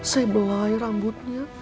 saya belai rambutnya